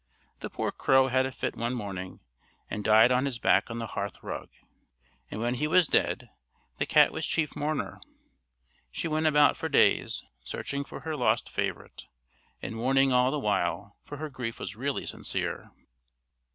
The poor crow had a fit one morning, and died on his back on the hearth rug; and when he was dead, the cat was chief mourner. She went about for days, searching for her lost favourite, and mourning all the while, for her grief was really sincere.